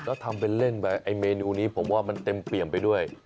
ด้วยเต็มเปลี่ยมไปด้วย